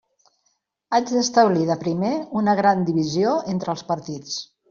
Haig d'establir de primer una gran divisió entre els partits.